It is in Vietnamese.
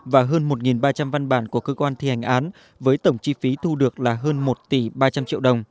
và hơn một ba trăm linh văn bản của cơ quan thi hành án với tổng chi phí thu được là hơn một tỷ ba trăm linh triệu đồng